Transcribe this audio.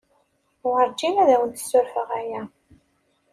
Werǧin ad awent-ssurfeɣ aya.